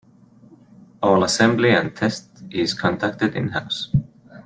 All assembly and test is conducted in house.